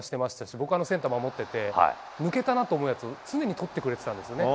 僕がセンター守っていて抜けたなと思ったやつ常にとってくれていたんです。